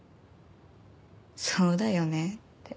そうだよねって。